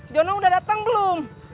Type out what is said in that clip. jono udah datang belum